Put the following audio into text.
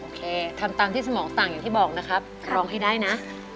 ทำตามที่สมองต่างอย่างที่บอกนะครับร้องให้ได้นะ